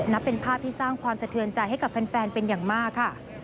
นับเป็นภาพที่สร้างความสะเทือนใจให้กับแฟนเป็นอย่างมากค่ะ